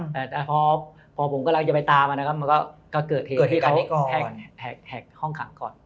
แต่พอผมกำลังจะไปตามมันก็เกิดเหตุที่เขาแหกห้องขังก่อน